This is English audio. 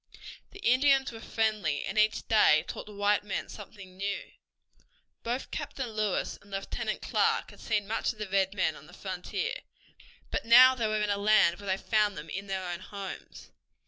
The Indians were friendly and each day taught the white men something new. Both Captain Lewis and Lieutenant Clark had seen much of the red men on the frontier, but now they were in a land where they found them in their own homes.